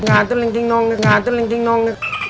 งานจนซึล้งน้อง